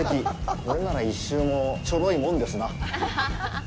これなら１周もちょろいもんですな。